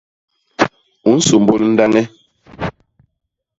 U nsômbôl ndañ e?